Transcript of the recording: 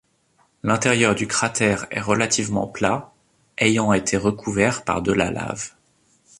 L'intérieur du cratère est relativement plat, ayant été recouvert par de la lave.